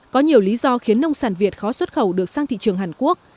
có nhiều lý do khiến nông sản việt khó xuất khẩu được sang thị trường hàn quốc